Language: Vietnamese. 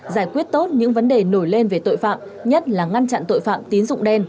giải quyết tốt những vấn đề nổi lên về tội phạm nhất là ngăn chặn tội phạm tín dụng đen